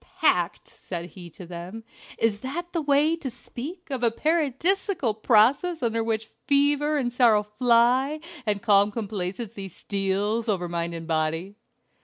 "Packed!" said he to them; "is that the way to speak of a Paradisiacal process under which fever and sorrow fly and calm complacency steals over mind and body?"